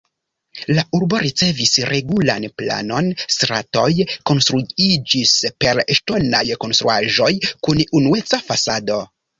La urbo ricevis regulan planon, stratoj konstruiĝis per ŝtonaj konstruaĵoj kun unueca fasado.